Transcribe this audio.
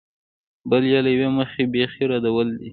بل یې له یوې مخې بېخي ردول دي.